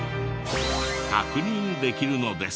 確認できるのです。